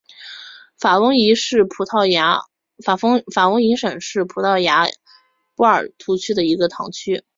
法翁伊什是葡萄牙波尔图区的一个堂区。